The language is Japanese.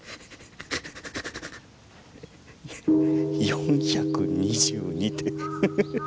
４２２て。